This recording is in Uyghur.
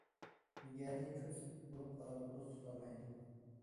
مىجەزى چۇس بولۇپ قالىدۇ، دوست تۇتالمايدۇ.